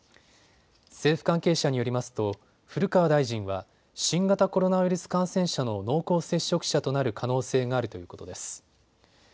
政府関係者によりますと古川大臣は新型コロナウイルス感染者の濃厚接触者となる可能性があるということです。